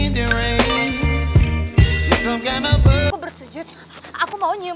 tres mengambil rasa tahan hidup